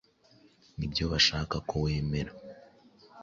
Nibyo bashaka ko wemera.